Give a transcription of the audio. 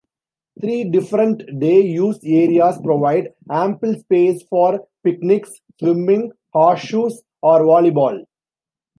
Three different day-use areas provide ample space for picnics, swimming, horseshoes or volleyball.